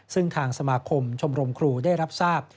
ซึ่งทางสมาคมชมรมครูได้รับทราบ